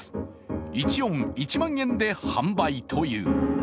１音１万円で販売という。